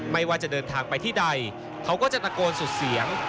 ไม่ว่าจะเดินทางไปที่ใดเขาก็จะตะโกนสุดเสียง